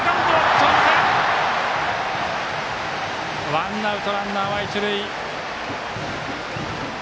ワンアウト、ランナーは一塁。